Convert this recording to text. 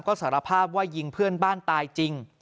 ก็สารภาพว่ายิงเพื่อนบ้านตายจริง